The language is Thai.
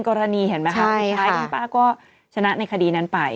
คล้ายที่น้องป้าก็ชนะในคดีนั้นไป